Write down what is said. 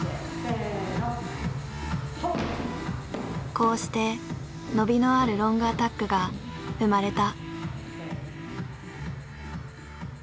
こうして伸びのあるロングアタックが生まれた。